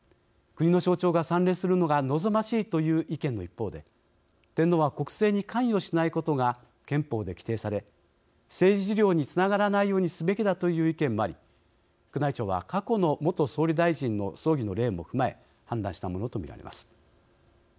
国の象徴が参列するのが望ましいという意見の一方で天皇は国政に関与しないことが憲法で規定され政治利用につながらないようにすべきだという意見もあり宮内庁は、過去の元総理大臣の葬儀の例も踏まえ判断したものと見られます。